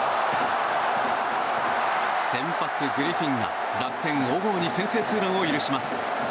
先発グリフィンが楽天、小郷に先制ツーランを許します。